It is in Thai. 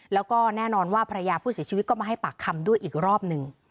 แล้วก็แน่นอนว่าภรรยาผู้เสียชีวิตก็มาให้ปากคำด้วยอีกรอบหนึ่ง